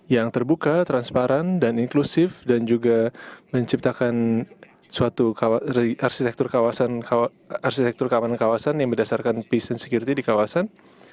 yang terbuka transparan dan inklusif dan juga menciptakan suatu arsitektur keamanan kawasan yang berdasarkan peace and security di kawasan